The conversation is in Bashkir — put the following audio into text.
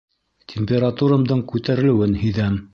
Температурамдың күтәрелеүен һиҙәм